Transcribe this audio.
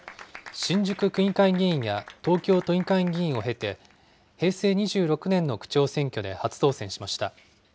新宿区議会議員や東京都議会議員を経て、平成２６年の区長選挙で初当選しました。